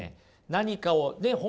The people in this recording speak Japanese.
何かをね